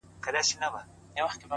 دا چي له کتاب سره ياري کوي.